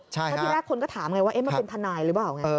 แล้วที่แรกคนก็ถามว่าเอ๊ะมาเป็นทนายหรือเปล่า